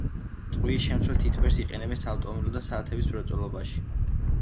ტყვიის შემცველ თითბერს იყენებენ საავტომობილო და საათების მრეწველობაში.